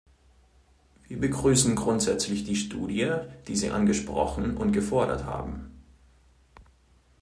Wir begrüßen grundsätzlich die Studie, die Sie angesprochen und gefordert haben.